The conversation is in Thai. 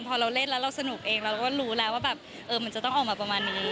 พอเราเล่นแล้วเราสนุกเองเราก็รู้แล้วว่าแบบมันจะต้องออกมาประมาณนี้